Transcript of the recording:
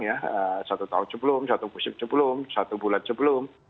ya satu tahun sebelum satu musim sebelum satu bulan sebelum